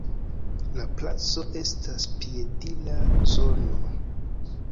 La placo estas piedira zono.